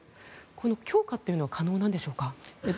この強化というのは可能なんでしょうか。